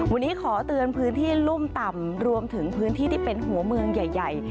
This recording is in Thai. วันนี้ขอเตือนพื้นที่รุ่มต่ำรวมถึงพื้นที่ที่เป็นหัวเมืองใหญ่